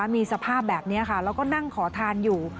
มีสภาพแบบนี้ค่ะแล้วก็นั่งขอทานอยู่